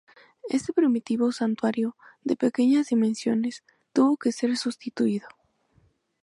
Este primitivo santuario, de pequeñas dimensiones, tuvo que ser sustituido.